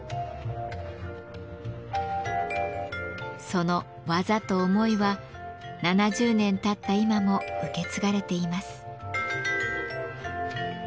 その技と思いは７０年たった今も受け継がれています。